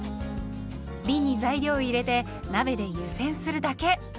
びんに材料を入れて鍋で湯煎するだけ。